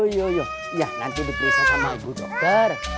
ya nanti diperiksa sama aku dokter